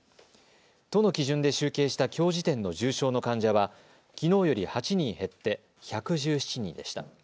都の基準で集計したきょう時点の重症の患者はきのうより８人減って１１７人でした。